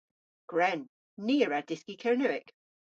Gwren. Ni a wra dyski Kernewek.